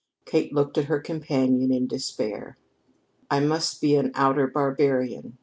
Kate looked at her companion in despair. "I must be an outer barbarian!"